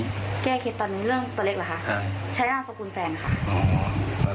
แก้เคล็ดตอนนี้เรื่องตัวเล็กเหรอคะใช้อ้างของคุณแฟนค่ะ